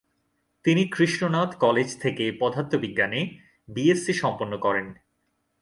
তিনি কৃষ্ণনাথ কলেজ থেকে পদার্থবিজ্ঞানে বিএসসি সম্পন্ন করেন।